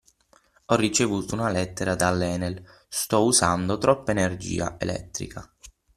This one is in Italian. Ho ricevuto una lettera dall'ENEL, sto usando troppa energia elettrica.